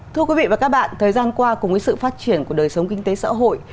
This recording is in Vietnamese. thưa quý vị và các bạn thời gian qua cùng với sự phát triển của đời sống kinh tế xã hội